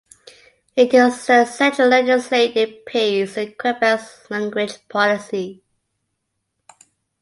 It is the central legislative piece in Quebec's language policy.